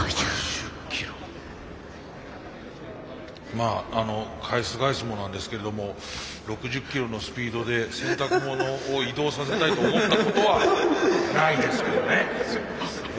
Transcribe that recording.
まあ返す返すもなんですけれども６０キロのスピードで洗濯物を移動させたいと思ったことはないですけどね。